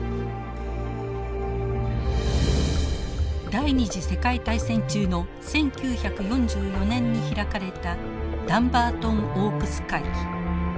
第２次世界大戦中の１９４４年に開かれたダンバートン・オークス会議。